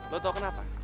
lo tau kenapa